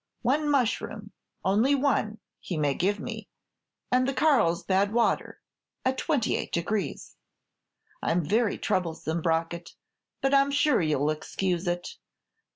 One mushroom, only one, he may give me, and the Carlsbad water, at 28 degrees. I 'm very troublesome, Brockett, but I 'm sure you 'll excuse it.